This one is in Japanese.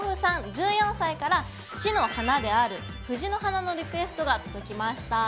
１４歳から市の花である「藤の花」のリクエストが届きました。